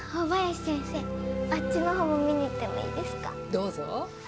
どうぞ。